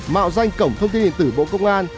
mạo danh cổng thông tin điện tử bộ công an